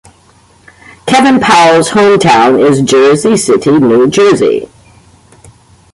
Kevin Powell's hometown is Jersey City, New Jersey.